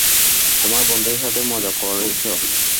তোমার বন্ধুদের সাথে মজা করেছ?